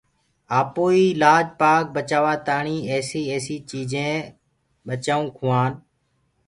آپوئيٚ لآج بچآوآ تآڻيٚ ايسيٚ ايسيٚ چيٚجينٚ ٻچآئونٚ کُوآن۔